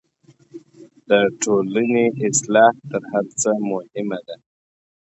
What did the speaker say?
د ټولني اصلاح تر هر څه مهمه ده.